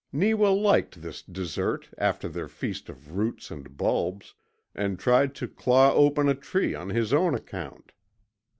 Neewa liked this dessert after their feast of roots and bulbs, and tried to claw open a tree on his own account.